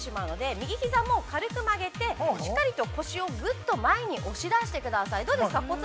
右ひざも軽く曲げて、しっかりと腰を前に押し出してください。